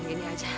stir di punggung